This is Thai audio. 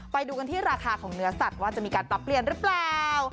ไปดูกันที่ราคาของเนื้อสัตว์ว่าจะมีการปรับเปลี่ยนหรือเปล่า